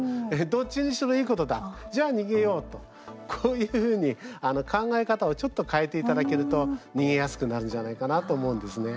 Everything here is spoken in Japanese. どっちにしろ、いいことだじゃあ逃げようとこういうふうに考え方をちょっと変えていただけると逃げやすくなるんじゃないかなと思うんですね。